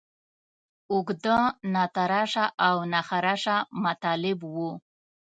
اوږده، ناتراشه او ناخراشه مطالب وو.